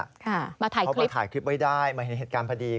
เขาไปถ่ายคลิปไว้ได้มาเห็นเหตุการณ์พอดี